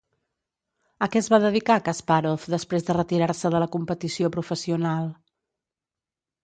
A què es va dedicar Kaspàrov després de retirar-se de la competició professional?